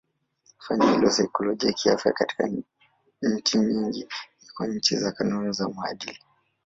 Fani ya saikolojia kiafya katika nchi nyingi iko chini ya kanuni za maadili.